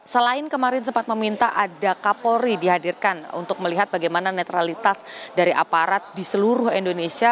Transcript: selain kemarin sempat meminta ada kapolri dihadirkan untuk melihat bagaimana netralitas dari aparat di seluruh indonesia